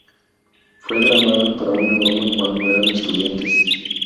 Fue grabada para una broma cuando eran estudiantes.